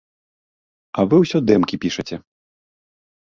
А вы ўсё дэмкі пішаце.